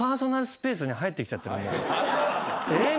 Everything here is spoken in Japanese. えっ！？